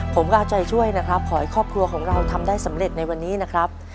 ผมก็เอาใจช่วยนะครับขอให้ครอบครัวของเราทำได้สำเร็จในวันนี้นะครับ